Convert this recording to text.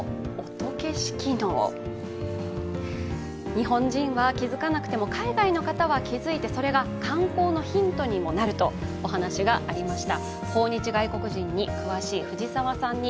日本人は気づかなくても、海外の方は気づいてそれが観光のヒントにもなるとお話がありました。